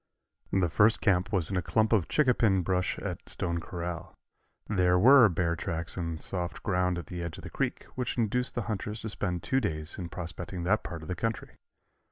The first camp was in a clump of chincapin brush at Stone Corral. There were bear tracks in the soft ground at the edge of the creek, which induced the hunters to spend two days in prospecting that part of the country.